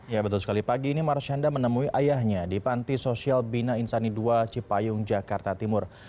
ya betul sekali pagi ini marshanda menemui ayahnya di panti sosial bina insani ii cipayung jakarta timur